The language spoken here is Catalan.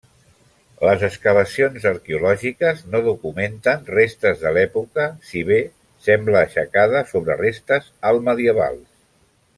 Les excavacions arqueològiques no documenten restes de l'època, si bé sembla aixecada sobre restes altmedievals.